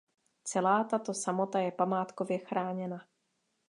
Celá tato samota je památkově chráněna.